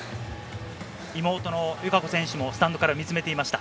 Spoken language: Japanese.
妹の友香子選手もスタンドから見つめていました。